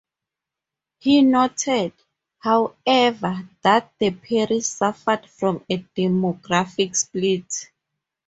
He noted, however, that the parish suffered from a demographic split.